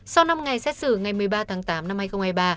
sau năm ngày xét xử ngày một mươi ba tám hai nghìn hai mươi ba